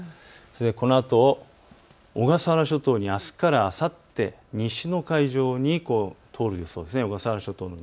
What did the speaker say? このあと小笠原諸島、あすからあさって、西の海上を通る予想です。